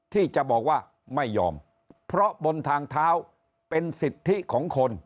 ที่จะบอกว่าไม่ยอมเพราะบนทางเท้าเป็นสิทธิของคน